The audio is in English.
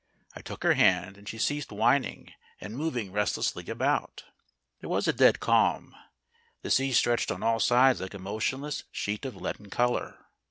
I took her hand, and she ceased whining and moving restlessly about. There was a dead calm. The sea stretched on all sides like a motionless sheet of leaden colour.